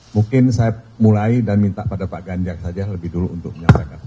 mungkin saya mulai dan minta pada pak ganjar saja lebih dulu untuk menyampaikan